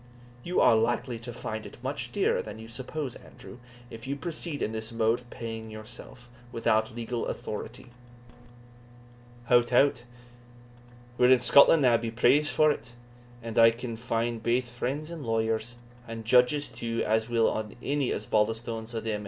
"You are likely to find it much dearer than you suppose, Andrew, if you proceed in this mode of paying yourself, without legal authority." "Hout tout, we're in Scotland now (be praised for't!) and I can find baith friends and lawyers, and judges too, as weel as ony Osbaldistone o' them a'.